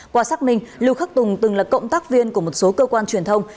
qua xác minh lưu khắc tùng từng là cộng tác viên của một số cơ quan truyền thông